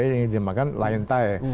ini dimakan lion thai